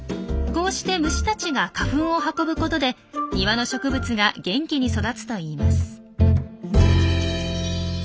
こうして虫たちが花粉を運ぶことで庭の植物が元気に育つといいます。